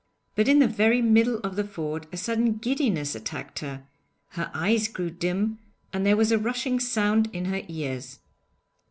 But in the very middle of the ford a sudden giddiness attacked her: her eyes grew dim, and there was a rushing sound in her ears.